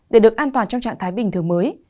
để được an toàn trong trạng thái bình thường mới